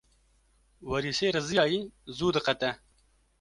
Werîsê riziyayî zû diqete.